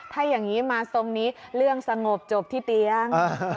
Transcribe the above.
ถ้าอย่างนี้มาทรงนี้เรื่องสงบจบที่เตียง